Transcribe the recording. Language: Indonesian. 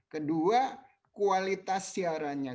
kedua kualitas siaranya